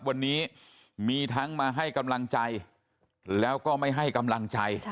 วันนี้มีทั้งมาให้กำลังใจแล้วก็ไม่ให้กำลังใจ